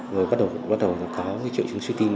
rồi bắt đầu có cái trợ chứng suy tim